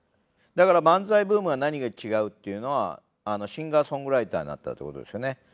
だから漫才ブームは何が違うっていうのはシンガーソングライターになったってことですよね。